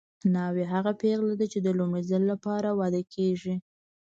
ناوې هغه پېغله ده چې د لومړي ځل لپاره واده کیږي